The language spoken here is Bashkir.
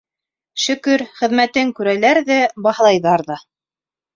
Шөкөр, хеҙмәтен күрәләр ҙә, баһалайҙар ҙа.